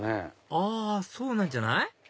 あそうなんじゃない？